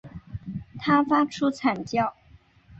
他发出惨叫